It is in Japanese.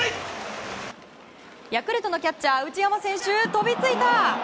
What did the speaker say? ヤクルトのキャッチャー内山選手飛びついた！